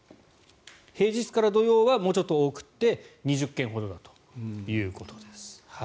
平日から土曜はもうちょっと多くて２０件ほどだということです。